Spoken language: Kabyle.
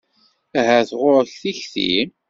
Ahat ɣuṛ-k tikti?